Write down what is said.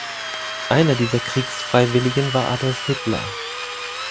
Einer dieser Kriegsfreiwilligen war Adolf Hitler.